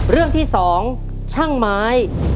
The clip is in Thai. เรื่องที่๒ช่างไม้